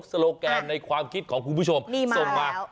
โลแกนในความคิดของคุณผู้ชมส่งมา